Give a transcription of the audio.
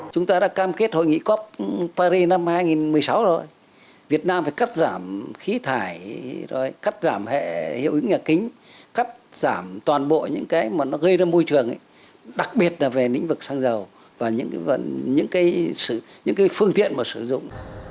chúng ta đã cam kết hội nghị cop paris năm hai nghìn một mươi sáu rồi việt nam phải cắt giảm khí thải rồi cắt giảm hệ hiệu ứng nhà kính cắt giảm toàn bộ những cái mà nó gây ra môi trường đặc biệt là về lĩnh vực xăng dầu và những phương tiện mà sử dụng